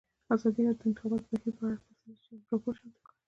ازادي راډیو د د انتخاباتو بهیر په اړه تفصیلي راپور چمتو کړی.